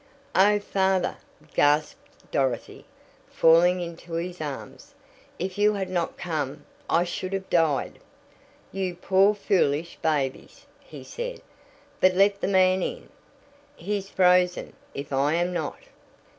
"Oh, father!" gasped Dorothy, falling into his arms. "If you had not come I should have died!" "You poor foolish babies!" he said. "But let the man in. He's frozen, if I am not."